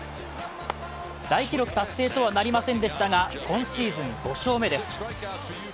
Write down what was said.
大記録達成とはなりませんでしたが、今シーズン５勝目です。